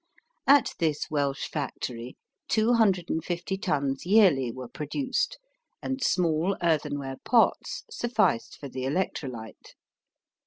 At this Welsh factory 250 tons yearly were produced, and small earthenware pots sufficed for the electrolyte.